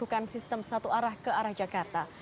dan dilakukan sistem satu arah ke arah jakarta